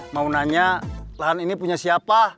mau nanya lahan ini punya siapa